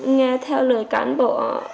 nghe theo lời cán bộ